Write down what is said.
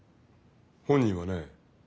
本人はね